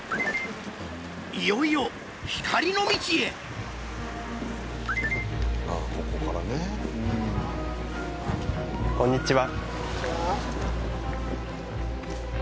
いよいよ光の道へこんにちは。